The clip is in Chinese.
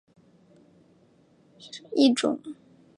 绽灰蝶属是线灰蝶亚科美灰蝶族中的一个属。